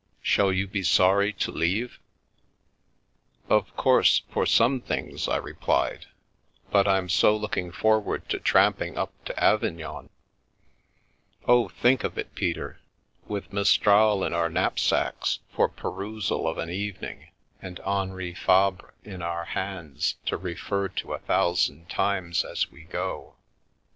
Shall you be sorry to leave?" 268 I Begin to Understand " Of course, for some things," I replied, " but Fm so looking forward to tramping up to Avignon. Oh, think of it, Peter, with Mistral in our knapsacks, for perusal of an evening, and Henri Fabre in our hands, to refer to a thousand times as we go.